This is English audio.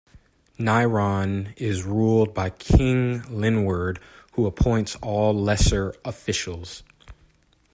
Nyrond is ruled by King Lynwerd, who appoints all lesser officials.